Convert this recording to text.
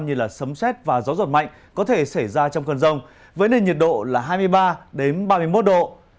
như sấm xét và gió giật mạnh có thể xảy ra trong cơn rông với nền nhiệt độ là hai mươi ba ba mươi một độ